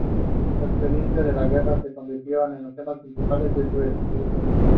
It is distinguished by taking the guitar and the accordion as the main instruments.